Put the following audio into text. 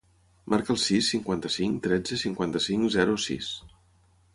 Marca el sis, cinquanta-cinc, tretze, cinquanta-cinc, zero, sis.